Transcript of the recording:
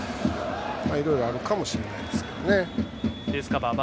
いろいろあるかもしれないですけどね。